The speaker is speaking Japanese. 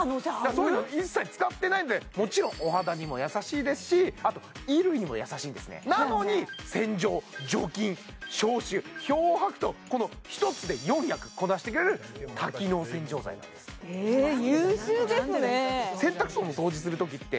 そういうの一切使ってないのでもちろんお肌にも優しいですしあと衣類にも優しいんですねなのに洗浄除菌消臭漂白とこの１つで４役こなしてくれる多機能洗浄剤なんですえ優秀ですね洗濯槽の掃除するときってつけ置きするじゃないですか